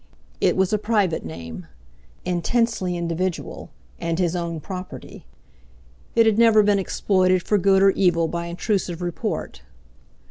It was a private name, intensely individual, and his own property; it had never been exploited for good or evil by intrusive report.